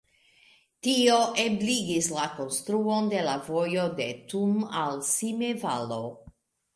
Tio ebligis la konstruon de la vojo de Thun al Simme-Valo.